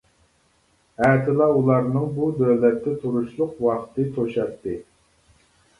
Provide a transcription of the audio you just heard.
ئەتىلا ئۇلارنىڭ بۇ دۆلەتتە تۇرۇشلۇق ۋاقتى توشاتتى.